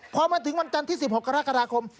พอมาถึงวันจันทร์ที่๑๖กรกฎาคม